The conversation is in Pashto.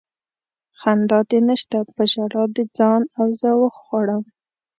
خندا دې نشته په ژړا دې ځان او زه وخوړم